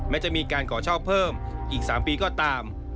จะมีการขอเช่าเพิ่มอีก๓ปีก็ตาม